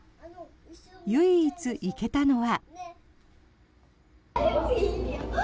唯一、行けたのは。